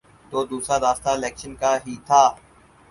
تو دوسرا راستہ الیکشن کا ہی تھا۔